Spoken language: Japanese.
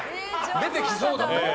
出てきそうだけど。